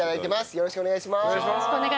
よろしくお願いします。